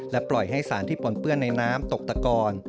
ปล่อยให้สารที่ปนเปื้อนในน้ำตกตะกอน